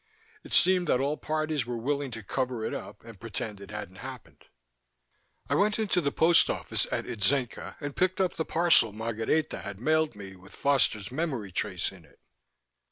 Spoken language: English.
It seemed that all parties were willing to cover it up and pretend it hadn't happened. I went into the post office at Itzenca and picked up the parcel Margareta had mailed me with Foster's memory trace in it.